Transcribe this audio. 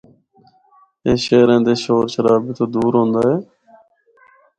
اے شہراں دے شور شرابے تو دور ہوندا اے۔